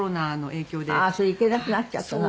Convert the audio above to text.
ああーそれで行けなくなっちゃったの。